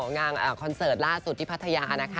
งานคอนเสิร์ตล่าสุดที่พัทยานะคะ